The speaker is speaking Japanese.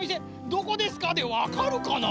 どこですかでわかるかな？